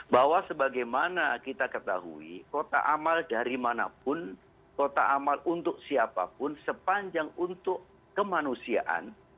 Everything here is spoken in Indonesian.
bahwa sebagaimana kita ketahui kota amal dari manapun kota amal untuk siapapun sepanjang untuk kemanusiaan